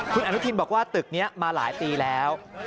คุณอนุทินบอกว่าตึกนี้มาหลายปีแล้ว